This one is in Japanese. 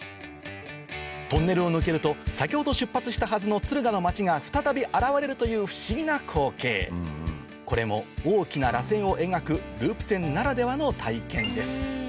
トンネルを抜けると先ほど出発したはずの敦賀の街が再び現れるという不思議な光景これも大きならせんを描くループ線ならではの体験です